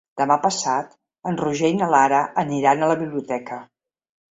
Demà passat en Roger i na Lara aniran a la biblioteca.